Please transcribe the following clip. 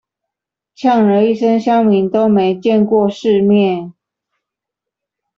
嗆了一聲鄉民都沒見過世面